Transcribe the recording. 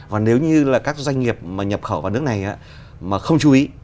và nếu như các doanh nghiệp nhập khẩu vào nước này mà không chú ý